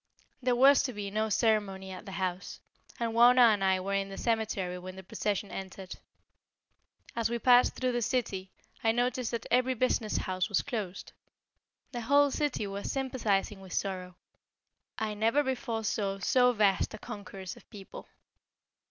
There was to be no ceremony at the house, and Wauna and I were in the cemetery when the procession entered. As we passed through the city, I noticed that every business house was closed. The whole city was sympathizing with sorrow. I never before saw so vast a concourse of people.